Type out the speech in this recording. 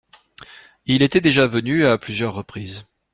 Il était déjà venu à plusieurs reprises.